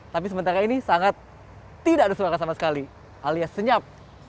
tapi sementara ini sangat tidak ada suara sama sekali alias senyap